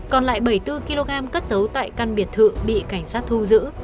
còn lại bảy mươi bốn kg cất dấu tại căn biệt thự bị cảnh sát thu giữ